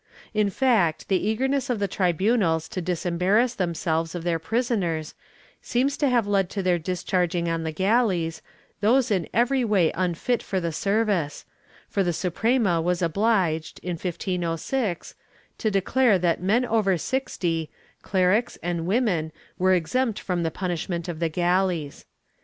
^ In fact, the eagerness of the tribunals to disembarrass themselves of their prisoners seems to have led to their discharging on the galleys those in every way unfit for the service, for the Suprema was obliged, in 1506, to declare that men over 60, clerics and women were exempt from the punishment of the galleys.